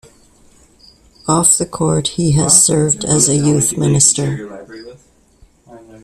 Off the court, he has served as a youth minister.